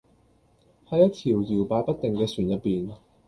喺一條搖擺不定嘅船入邊